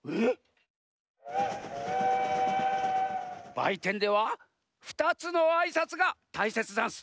ばいてんではふたつのあいさつがたいせつざんす。